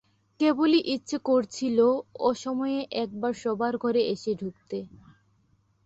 কেবলই ইচ্ছে করছিল অসময়ে একবার শোবার ঘরে এসে ঢুকতে।